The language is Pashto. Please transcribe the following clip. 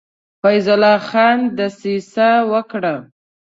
فیض الله خان دسیسه وکړه.